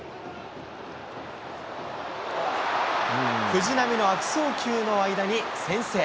藤浪の悪送球の間に先制。